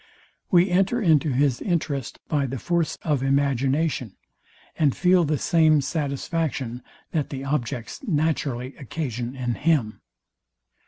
We enter into his interest by the force of imagination, and feel the same satisfaction, that the objects naturally occasion in him.